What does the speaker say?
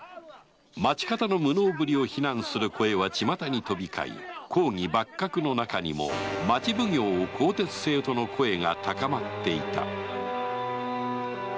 町方の無能ぶりを非難する声は巷に飛び交い公儀幕閣の中にも町奉行を更迭せよとの声が高まっていた